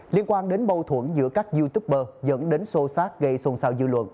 liên quan đến mâu thuẫn giữa các youtuber dẫn đến sô sát gây xôn xao dư luận